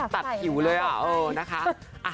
ตัดผิวเลยอะ